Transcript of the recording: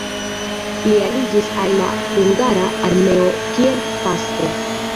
Li aliĝis al la hungara armeo kiel pastro.